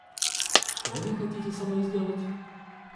Что вы хотите со мной сделать?